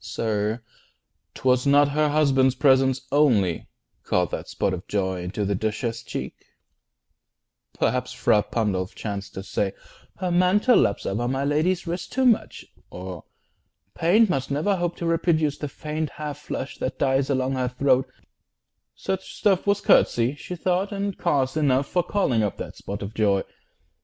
Sir, 'twas not Her husband's presence only, called that spot Of joy into the Duchess' cheek: perhaps Fra Pandolf chanced to say "Her mantle laps Over my lady's wrist too much," or "Paint Must never hope to reproduce the faint Half flush that dies along her throat"; such stuff Was courtesy, she thought, and cause enough 20 For calling up that spot of joy.